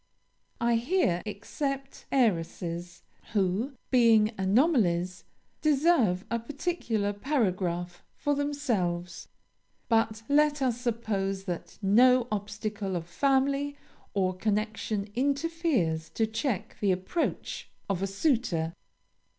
I here except heiresses, who, being anomalies, deserve a particular paragraph for themselves. But let us suppose that no obstacle of family or connection interferes to check the approach of a suitor.